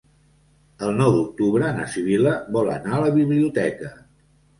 El nou d'octubre na Sibil·la vol anar a la biblioteca.